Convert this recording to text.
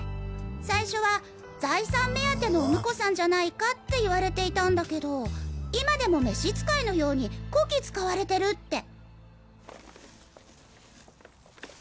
最初は財産目当てのお婿さんじゃないかって言われていたんだけど今でも召使いのようにこき使われてるって。